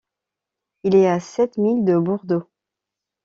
Il est à sept milles de Bordeaux.